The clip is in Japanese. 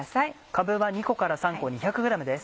かぶは２個から３個２００ｇです。